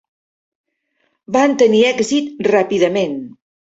Van tenir èxit ràpidament.